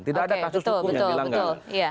tidak ada kasus hukum yang bilang gak